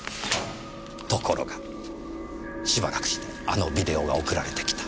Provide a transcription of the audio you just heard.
ところがしばらくしてあのビデオが送られてきた。